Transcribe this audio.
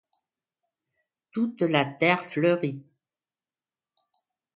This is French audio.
Toute la terre fleurie